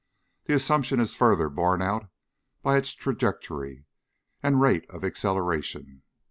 The assumption is further borne out by its trajectory and rate of acceleration."